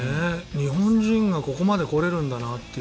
日本人がここまで来れるんだなって。